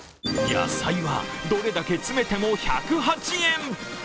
野菜は、どれだけ詰めても１０８円。